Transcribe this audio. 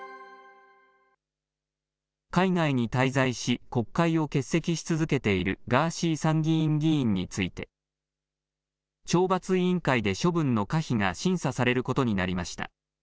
海外に滞在し、国会を欠席し続けているガーシー参議院議員について、懲罰委員会で処分の可否が審査されることになりました。